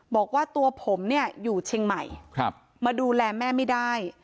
บอกว่าตัวผมเนี่ยอยู่เชียงใหม่มาดูแลแม่ไม่ได้